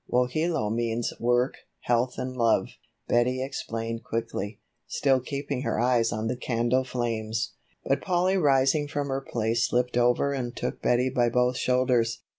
Wohelo means 'Work, Health and Love'," Betty explained quickly, still keeping her eyes on the candle flames. But Polly rising from her place slipped over and took Betty by both shoulders.